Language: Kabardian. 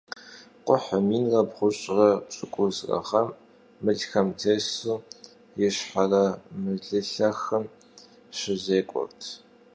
Kxhuhır minre bğuş're pşık'uşre ğem mılxem têsu Yişxhere Mılılhexım şızêk'uert.